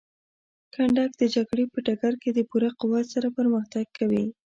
کنډک د جګړې په ډګر کې په پوره قوت سره پرمختګ کوي.